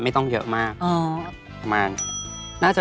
ไม่เป็นไรค่ะเดี๋ยวดูแลให้ค่ะเชฟ